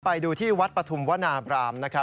ไปดูที่วัดปฐุมวนาบรามนะครับ